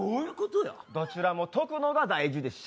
どちらも解くのが大事でしょ。